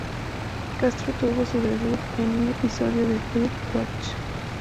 Castro tuvo su debut en un episodio de "Third Watch".